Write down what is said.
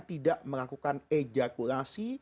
tidak melakukan ejakulasi